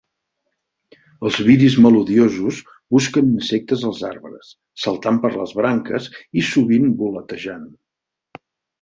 Els viris melodiosos busquen insectes als arbres, saltant per les branques i sovint voletejant.